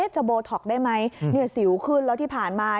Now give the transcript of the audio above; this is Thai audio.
จะโบท็อกได้ไหมสิวขึ้นแล้วที่ผ่านมา